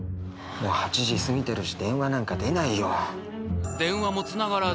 もう８時過ぎてるし電話なんか出ないよ。